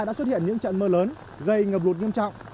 đã xuất hiện những trận mưa lớn gây ngập lụt nghiêm trọng